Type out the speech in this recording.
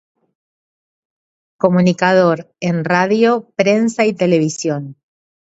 Comunicador en radio, prensa y televisión.